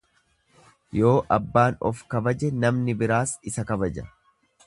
Yoo abbaan of kabaje namni biraas isa kabaja.